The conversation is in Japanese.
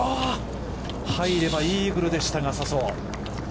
入ればイーグルでしたが、笹生。